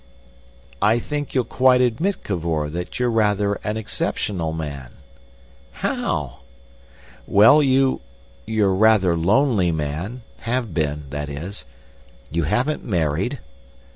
"I think you'll quite admit, Cavor, that you're rather an exceptional man." "How?" "Well, you—you're a rather lonely man—have been, that is. You haven't married."